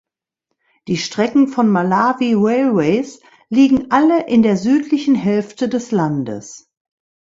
Die Strecken von Malawi Railways liegen alle in der südlichen Hälfte des Landes.